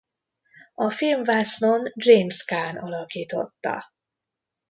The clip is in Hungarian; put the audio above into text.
A filmvásznon James Caan alakította.